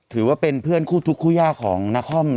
ถือว่าเป็นเพื่อนหุ้คุย่าของนคร